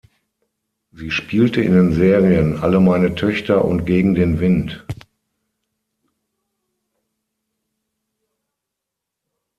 Sie spielte in den Serien "Alle meine Töchter" und "Gegen den Wind".